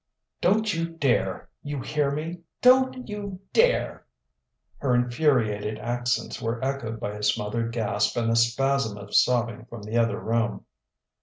"Don't you dare! You hear me: don't you dare!" Her infuriated accents were echoed by a smothered gasp and a spasm of sobbing from the other room.